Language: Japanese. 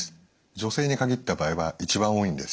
女性に限った場合は一番多いんです。